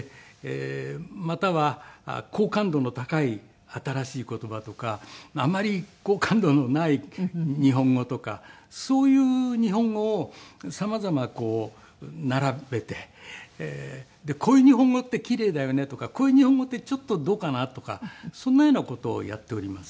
または好感度の高い新しい言葉とかあんまり好感度のない日本語とかそういう日本語を様々並べてこういう日本語って奇麗だよねとかこういう日本語ってちょっとどうかな？とかそんなような事をやっております。